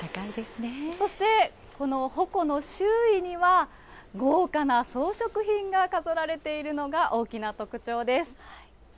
そしてこの鉾の周囲には、豪華な装飾品が飾られているのが大きな特徴です。